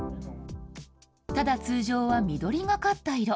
ただ通常は緑がかった色。